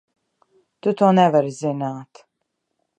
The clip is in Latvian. Tu to nevari zināt!